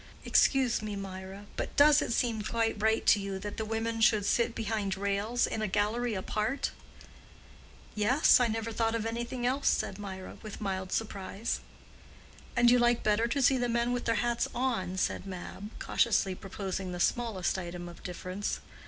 "Excuse me, Mirah, but does it seem quite right to you that the women should sit behind rails in a gallery apart?" "Yes, I never thought of anything else," said Mirah, with mild surprise. "And you like better to see the men with their hats on?" said Mab, cautiously proposing the smallest item of difference.